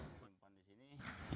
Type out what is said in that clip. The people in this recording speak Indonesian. ini kami jadikan